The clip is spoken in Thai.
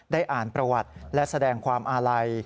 อ่านประวัติและแสดงความอาลัย